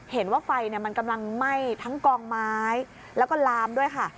เห็นว่าไฟมันกำลังไหม้ทั้งกองไม้แล้วก็ลามด้วยค่ะ